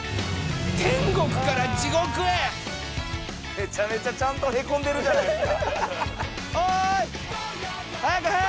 めちゃめちゃちゃんとへこんでるじゃないですか。